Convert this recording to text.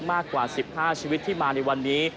มากกว่า๑๕ชีวิตที่มาในวันนี้